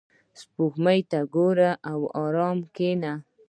• سپوږمۍ ته وګوره او آرامه کښېنه.